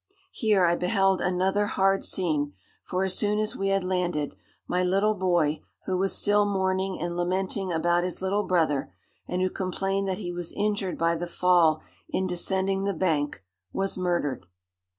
"Here I beheld another hard scene, for as soon as we had landed, my little boy, who was still mourning and lamenting about his little brother, and who complained that he was injured by the fall in descending the bank, was murdered.